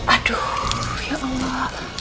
aduh ya allah